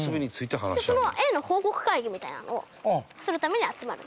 その縁の報告会議みたいなのをするために集まるんです。